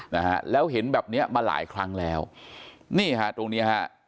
นะฮะแล้วเห็นแบบเนี้ยมาหลายครั้งแล้วนี่ฮะตรงเนี้ยฮะ